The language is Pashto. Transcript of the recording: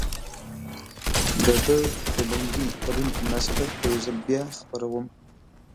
د ده د لومړي تلین په مناسبت یو ځل بیا خپروم.